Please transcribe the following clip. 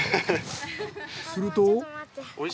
すると。